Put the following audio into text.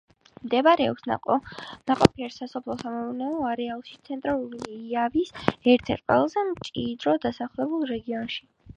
მდებარეობს ნაყოფიერ სასოფლო–სამეურნეო არეალში, ცენტრალური იავის ერთ–ერთ ყველაზე მჭიდროდ დასახლებულ რეგიონში.